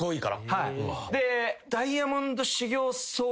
はい。